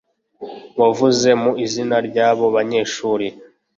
wavuze mu izina ry’abo banyeshuri